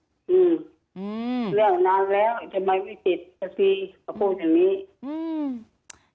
เรื่องนานแล้วทำไมไม่ติดทัศนีเขาพูดแบบนี้